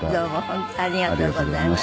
本当ありがとうございました。